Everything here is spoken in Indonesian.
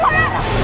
pengajar pak yana